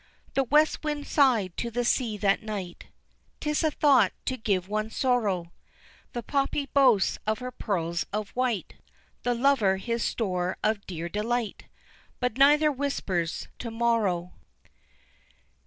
The west wind sighed to the sea that night, "'Tis a thought to give one sorrow, The poppy boasts of her pearls of white, The lover his store of dear delight, But neither whispers to morrow."